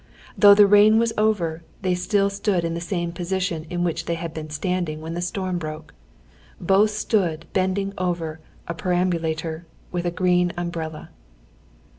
Though the rain was over, they still stood in the same position in which they had been standing when the storm broke. Both stood bending over a perambulator with a green umbrella.